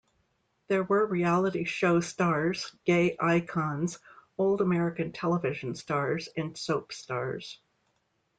There were reality show stars, gay icons, old American television stars, and soap stars.